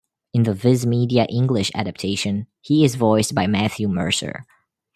In the Viz Media English adaptation, he is voiced by Matthew Mercer.